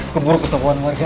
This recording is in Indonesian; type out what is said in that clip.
keburu ketemuan warga